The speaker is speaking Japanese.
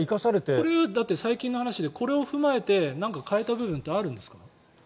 これ、最近の話でこれを踏まえて変えた部分ってあるんですか？